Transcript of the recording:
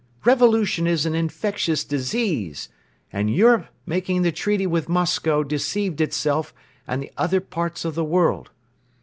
Revolution is an infectious disease and Europe making the treaty with Moscow deceived itself and the other parts of the world.